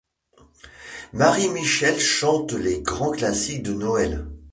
Marie Michèle chante les grands classiques de Noël.